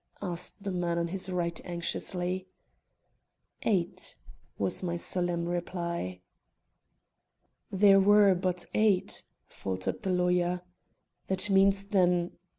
asked the man on his right anxiously. "Eight," was my solemn reply. "There were but eight," faltered the lawyer; "that means, then, all?"